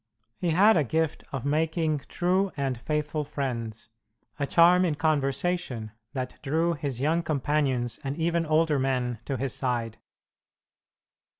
He had a gift of making true and faithful friends, a charm in conversation that drew his young companions and even older men to his side.